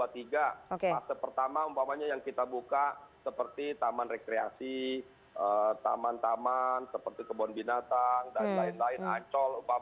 fase pertama umpamanya yang kita buka seperti taman rekreasi taman taman seperti kebun binatang dan lain lain ancol